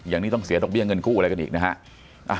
อย่างนี้ต้องเสียดอกเบี้ยเงินกู้อะไรกันอีกนะฮะ